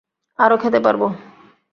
আরও খেতে পারবো।